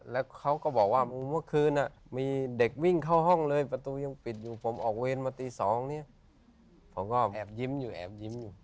แล้วเขาก็บอกว่าเมื่อคืนมีเด็กวิ่งเข้าห้องเลยประตูยังปิดอยู่ผมออกเวรมาตี๒เนี่ยผมก็แอบยิ้มอยู่แอบยิ้มอยู่